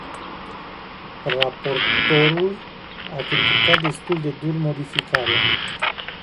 Raportorul a criticat destul de dur modificarea.